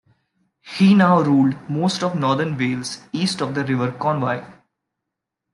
He now ruled most of northern Wales east of the River Conwy.